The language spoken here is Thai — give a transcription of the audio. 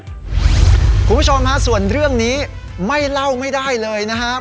คุณผู้ชมฮะส่วนเรื่องนี้ไม่เล่าไม่ได้เลยนะครับ